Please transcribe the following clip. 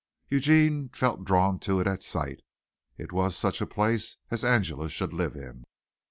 Eugene felt drawn to it at sight. It was such a place as Angela should live in.